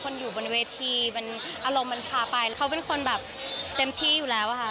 อยู่บนเวทีมันอารมณ์มันพาไปเขาเป็นคนแบบเต็มที่อยู่แล้วอะค่ะ